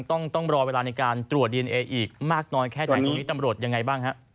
ต้องต้องรอเวลาในการตรวจดีเอนเออีกมากนอนแค่ไหน